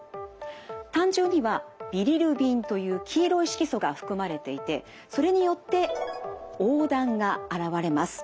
胆汁にはビリルビンという黄色い色素が含まれていてそれによって黄だんが現れます。